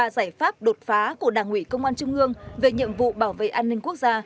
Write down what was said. ba giải pháp đột phá của đảng ủy công an trung ương về nhiệm vụ bảo vệ an ninh quốc gia